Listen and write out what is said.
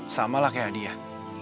samalah kayak hadiah